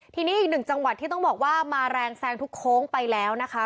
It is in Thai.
ทีนี้อีกหนึ่งจังหวัดที่ต้องบอกว่ามาแรงแซงทุกโค้งไปแล้วนะคะ